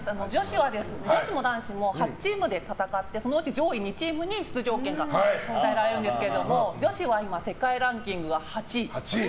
女子も男子も８チームで戦ってそのうち上位２チームに出場権が与えられるんですけど女子は今、世界ランキングが８位。